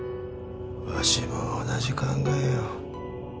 わしも同じ考えよ。